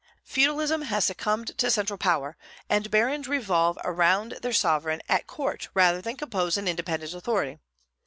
Feudalism has succumbed to central power, and barons revolve around their sovereign at court rather than compose an independent authority.